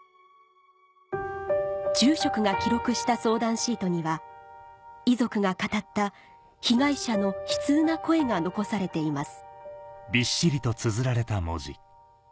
住職が記録した相談シートには遺族が語った被害者の悲痛な声が残されています